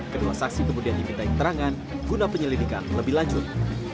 kedua saksi kemudian diminta keterangan guna penyelidikan lebih lanjut